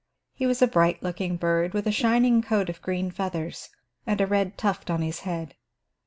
He was a bright looking bird with a shining coat of green feathers and a red tuft on his head.